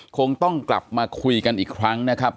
คงต้องกลับมาคุยกันอีกครั้งนะครับ